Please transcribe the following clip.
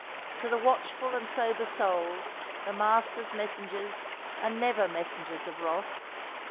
To the watchful and sober souls the Master's messengers are never messengers of wrath.